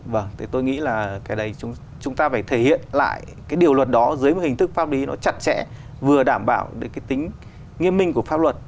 vâng thì tôi nghĩ là cái đấy chúng ta phải thể hiện lại cái điều luật đó dưới một hình thức pháp lý nó chặt chẽ vừa đảm bảo được cái tính nghiêm minh của pháp luật